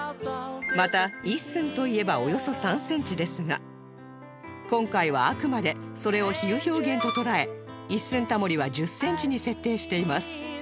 また一寸といえばおよそ３センチですが今回はあくまでそれを比喩表現と捉え一寸タモリは１０センチに設定しています